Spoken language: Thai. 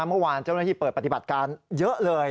เมื่อวานเจ้าหน้าที่เปิดปฏิบัติการเยอะเลย